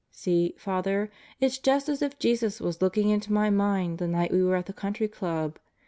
See, Father, it's just as if Jesus was looking into my mind the night we .were at the Country Club.